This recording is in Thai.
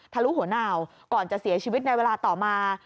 ลุหัวหนาวก่อนจะเสียชีวิตในเวลาต่อมา